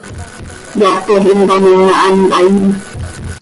Yapol hin taanim ma, hant hayom.